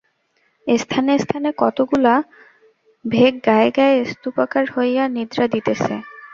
স্থানে স্থানে কতকগুলা ভেক গায়ে গায়ে স্তূপাকার হইয়া নিদ্রা দিতেছে।